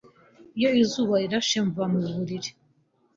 Iyo izuba rirashe, nzava mu buriri.